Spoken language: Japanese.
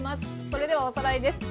それではおさらいです。